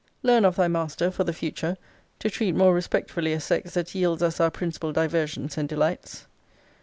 Learn of thy master, for the future, to treat more respectfully a sex that yields us our principal diversions and delights.